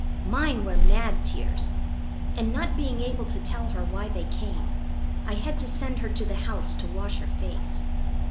Mine were mad tears, and not being able to tell her why they came, I had to send her to the house to wash her face.